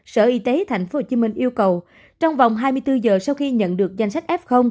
sở y tế tp hcm yêu cầu trong vòng hai mươi bốn giờ sau khi nhận được danh sách f